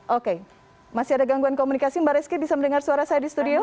oke masih ada gangguan komunikasi mbak rizky bisa mendengar suara saya di studio